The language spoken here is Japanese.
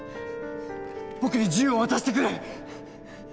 僕に銃を渡してくれ。